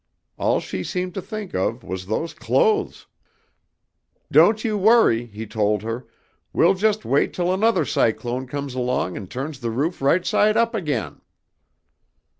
All she seemed to think of was those clothes. "'Don't you worry,' he told her. 'We will just wait till another cyclone comes along and turns the roof right side up again.'